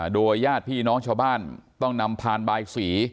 โดยญาติพี่น้องชาวบ้านต้องนำพานบายสี